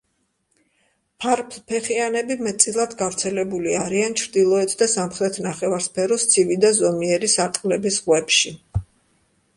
ფარფლფეხიანები მეტწილად გავრცელებული არიან ჩრდილოეთ და სამხრეთ ნახევარსფეროს ცივი და ზომიერი სარტყლების ზღვებში.